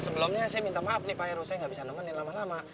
sebelumnya saya minta maaf nih pak heru saya nggak bisa nemenin lama lama